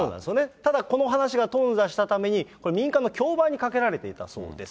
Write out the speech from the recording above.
ただこの話がとん挫したために、これ、民間の競売にかけられていたそうです。